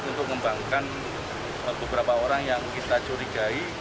untuk mengembangkan beberapa orang yang kita curigai